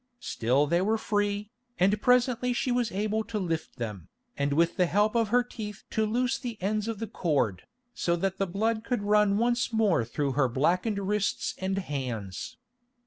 Still they were free, and presently she was able to lift them, and with the help of her teeth to loose the ends of the cord, so that the blood could run once more through her blackened wrists and hands.